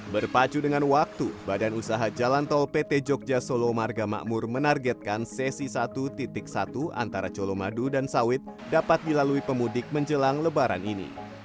berpacu dengan waktu badan usaha jalan tol pt jogja solo marga makmur menargetkan sesi satu satu antara colomadu dan sawit dapat dilalui pemudik menjelang lebaran ini